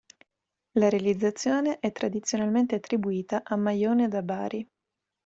La realizzazione è tradizionalmente attribuita a Maione da Bari.